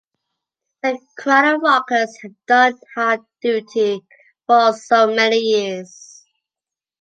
The cradle-rockers had done hard duty for so many years.